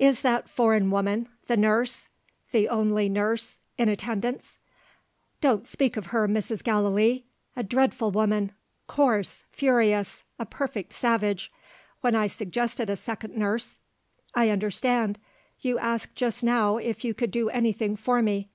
"Is that foreign woman, the nurse the only nurse in attendance?" "Don't speak of her, Mrs. Gallilee! A dreadful woman; coarse, furious, a perfect savage. When I suggested a second nurse " "I understand. You asked just now if you could do anything for me.